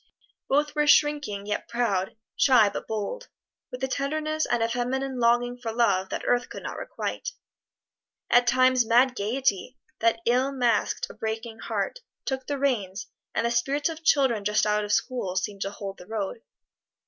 Both were shrinking yet proud, shy but bold, with a tenderness and a feminine longing for love that earth could not requite. At times mad gaiety, that ill masked a breaking heart, took the reins, and the spirits of children just out of school seemed to hold the road.